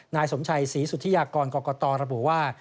นายสมชัยศรีสุธิยากรกรกตระบุว่า